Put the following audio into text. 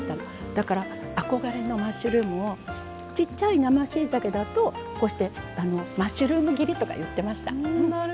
だから憧れのマッシュルームをちっちゃい生しいたけだとこうしてマッシュルーム切りとかいってました。